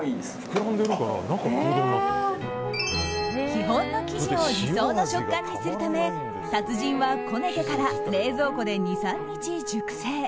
基本の生地を理想の食感にするため達人はこねてから冷蔵庫で２３日熟成。